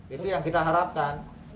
itu yang kita harapkan